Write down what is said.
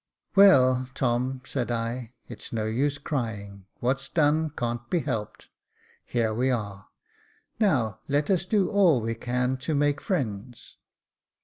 "Well, Tom," said I, "it's no use crying. What's done can't be helped ; here we are ; now let us do all we can to make friends."